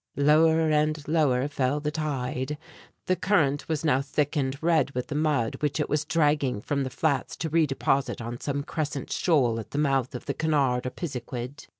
Lower and lower fell the tide. The current was now thick and red with the mud which it was dragging from the flats to re deposit on some crescent shoal at the mouth of the Canard or Piziquid.